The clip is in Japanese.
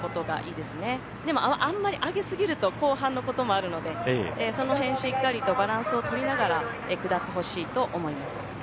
でも、あんまり上げすぎると後半のこともあるのでその辺しっかりとバランスを取りながら下ってほしいと思います。